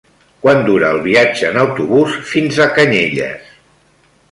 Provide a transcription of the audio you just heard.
Quant dura el viatge en autobús fins a Canyelles?